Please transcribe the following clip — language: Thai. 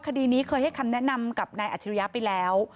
คดีนี้เคยให้คำแนะนำกับนายอัจฉริยะไปแล้ว